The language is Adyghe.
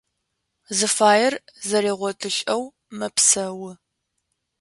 Зыфаер зэригъотылӏэжьэу мэпсэу.